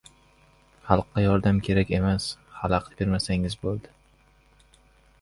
Xalqqa yordam kerak emas, halaqit bermasangiz — bo‘ldi!